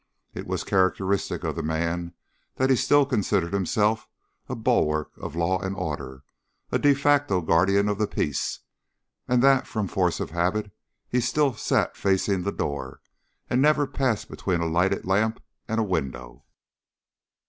It was characteristic of the man that he still considered himself a bulwark of law and order, a de facto guardian of the peace, and that from force of habit he still sat facing the door and never passed between a lighted lamp and a window.